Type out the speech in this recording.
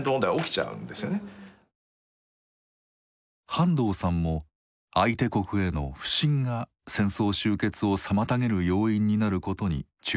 半藤さんも相手国への「不信」が戦争終結を妨げる要因になることに注目していました。